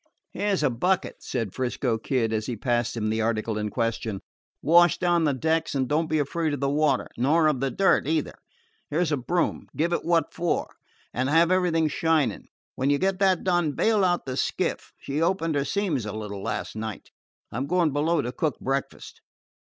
"Here 's a bucket," said 'Frisco Kid, as he passed him the article in question. "Wash down the decks, and don't be afraid of the water, nor of the dirt either. Here 's a broom. Give it what for, and have everything shining. When you get that done bail out the skiff. She opened her seams a little last night. I 'm going below to cook breakfast."